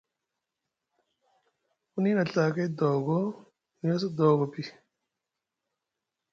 Muni na Ɵakay doogo, ni a sa doogo pi.